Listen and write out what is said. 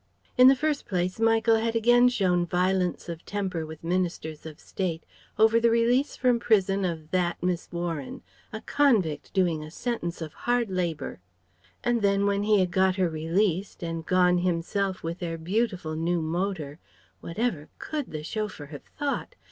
In the first place Michael had again shown violence of temper with ministers of state over the release from prison of "that" Miss Warren "a convict doing a sentence of hard labour." And then, when he had got her released, and gone himself with their beautiful new motor whatever could the chauffeur have thought?